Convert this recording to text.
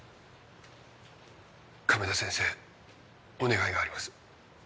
亀田先生お願いがあります。